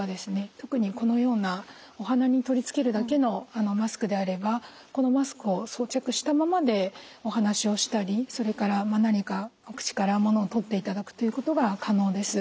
特にこのようなお鼻に取り付けるだけのマスクであればこのマスクを装着したままでお話をしたりそれから何かお口からものをとっていただくということが可能です。